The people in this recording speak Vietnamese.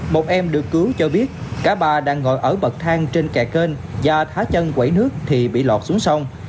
một em được cứu cho biết cả ba đang ngồi ở bậc thang trên kè kênh và thả chân quẩy nước thì bị lọt xuống sông